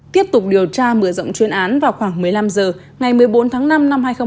tiếp tục điều tra mở rộng chuyên án vào khoảng một mươi năm h ngày một mươi bốn tháng năm năm hai nghìn hai mươi ba